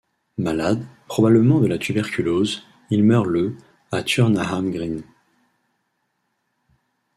Malade, probablement de la tuberculose, il meurt le à Turnahm Green.